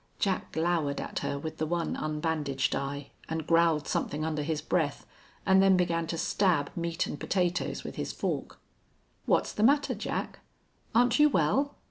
Jack glowered at her with the one unbandaged eye, and growled something under his breath, and then began to stab meat and potatoes with his fork. "What's the matter, Jack? Aren't you well?"